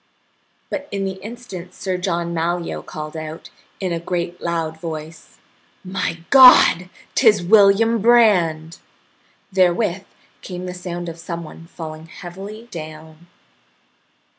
But in the instant Sir John Malyoe called out, in a great loud voice: "My God! 'Tis William Brand!" Therewith came the sound of some one falling heavily down.